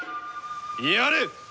やれ！